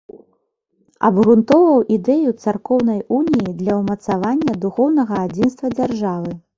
Абгрунтоўваў ідэю царкоўнай уніі для ўмацавання духоўнага адзінства дзяржавы.